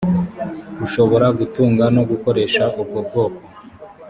ushobora gutunga no gukoresha ubwo bwoko